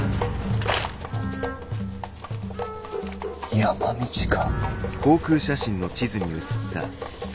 山道か？